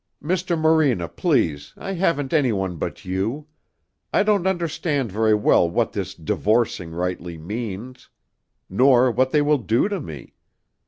"Mr. Morena, please I haven't any one but you. I don't understand very well what this divorcing rightly means. Nor what they will do to me.